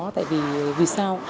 tại vì sao